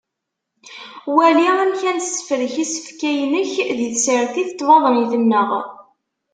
Wali amek ad nessefrek isefka yinek di tsertit n tbaḍnit-nneɣ.